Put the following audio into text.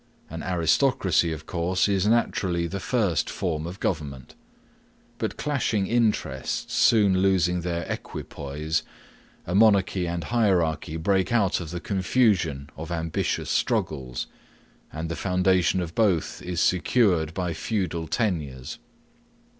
An aristocracy, of course, is naturally the first form of government. But clashing interests soon losing their equipoise, a monarchy and hierarchy break out of the confusion of ambitious struggles, and the foundation of both is secured by feudal tenures.